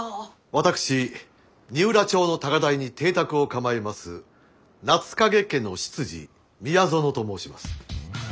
私二浦町の高台に邸宅を構えます夏影家の執事宮園と申します。